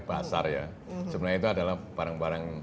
pasar ya sebenarnya itu adalah barang barang